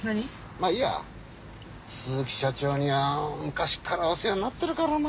まいいや鈴木社長には昔からお世話になってるからな。